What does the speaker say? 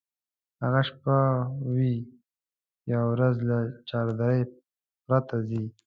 هغه شپه وي یا ورځ له چادرۍ پرته ځي.